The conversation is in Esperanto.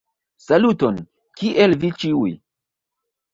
Saluton, Kiel vi ĉiuj?